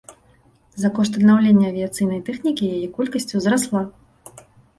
За кошт аднаўлення авіяцыйнай тэхнікі яе колькасць узрасла.